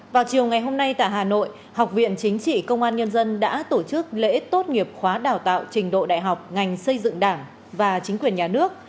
vào chiều ngày hôm nay tại hà nội học viện chính trị công an nhân dân đã tổ chức lễ tốt nghiệp khóa đào tạo trình độ đại học ngành xây dựng đảng và chính quyền nhà nước